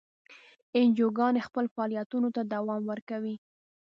انجیوګانې خپلو فعالیتونو ته دوام ورکوي.